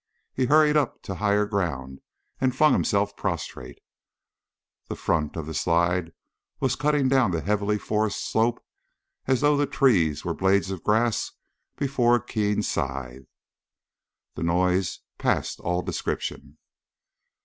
He hurried up to higher ground and flung himself prostrate. The front of the slide was cutting down the heavily forested slope as though the trees were blades of grass before a keen scythe. The noise passed all description.